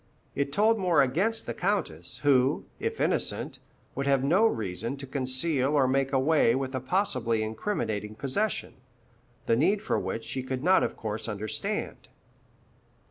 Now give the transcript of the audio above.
It told more against the Countess, who, if innocent, would have no reason to conceal or make away with a possibly incriminating possession, the need for which she could not of course understand.